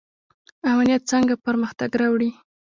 امنیت څنګه پرمختګ راوړي؟